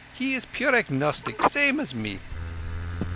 He is pure agnostic—same as me."